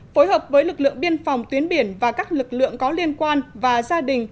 phối hợp với lực lượng biên phòng tuyến biển và các lực lượng có liên quan và gia đình